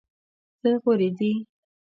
څه غورې دي.